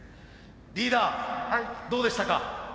リーダーどうでしたか？